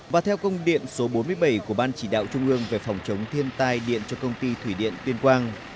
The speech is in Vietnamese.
và theo công điện số bốn mươi bảy của ban chỉ đạo trung ương về phòng chống thiên tai điện cho công ty thủy điện tuyên quang